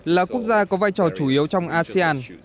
là quốc gia có vai trò chủ yếu trong asean